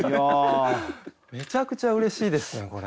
めちゃくちゃうれしいですねこれ。